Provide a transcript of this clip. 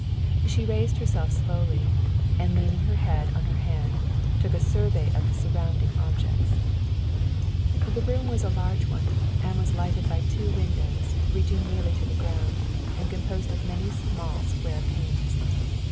She raised herself slowly, and leaning her head on her hand, took a survey of the surrounding objects. The room was a large one, and was lighted by two windows, reaching nearly to the ground, and composed of many small square panes.